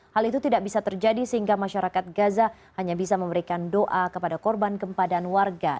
hal itu tidak bisa terjadi sehingga masyarakat gaza hanya bisa memberikan doa kepada korban gempa dan warga